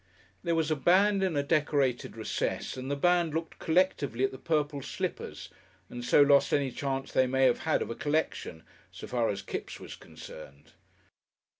There was a band in a decorated recess, and the band looked collectively at the purple slippers, and so lost any chance they may have had of a collection, so far as Kipps was concerned.